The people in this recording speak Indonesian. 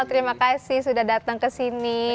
terima kasih sudah datang kesini